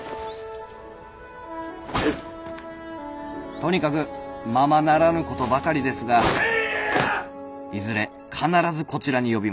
「とにかくままならぬことばかりですがいずれ必ずこちらに呼びます。